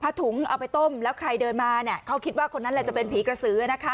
ถุงเอาไปต้มแล้วใครเดินมาเขาคิดว่าคนนั้นแหละจะเป็นผีกระสือนะคะ